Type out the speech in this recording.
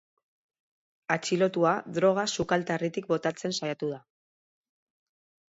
Atxilotua droga sukaltarritik botatzen saiatu da.